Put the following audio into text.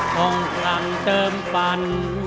ห้องคลังเติมฝัน